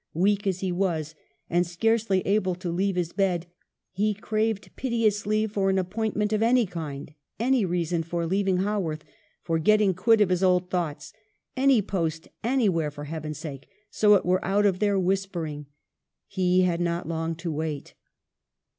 Weak as he was, and scarcely able to leave his bed, he craved piteously for an appointment of any kind, any reason for leaving Haworth, for getting quit of his old thoughts, any post anywhere for Heaven's sake so it were out of their whispering. He had not long to wait.